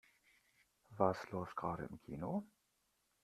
Was läuft gerade im Kino?